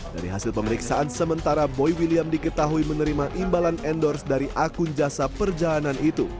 dari hasil pemeriksaan sementara boy william diketahui menerima imbalan endorse dari akun jasa perjalanan itu